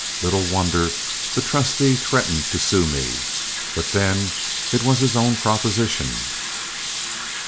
Little wonder the trustee threatened to sue me; but then it was his own proposition.